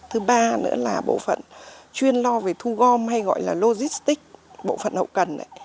thứ ba nữa là bộ phận chuyên lo về thu gom hay gọi là logistics bộ phận hậu cần